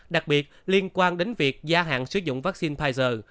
đặc biệt liên quan đến việc gia hạn sử dụng vaccine pfizer